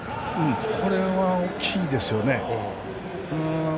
これは大きいですよね。